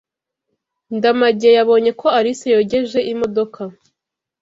Ndamage yabonye ko Alice yogeje imodoka.